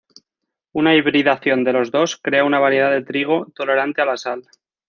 Una hibridación de los dos crea una variedad de trigo tolerante a la sal.